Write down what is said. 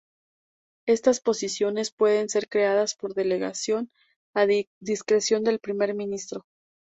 Estas posiciones pueden ser creadas por delegación, a discreción del primer ministro.